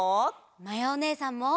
まやおねえさんも！